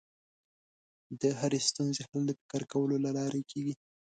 د هرې ستونزې حل د فکر کولو له لارې کېږي.